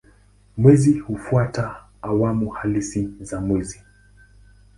Mwezi hufuata awamu halisi za mwezi.